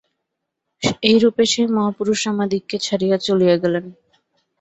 এইরূপে সেই মহাপুরুষ আমাদিগকে ছাড়িয়া চলিয়া গেলেন।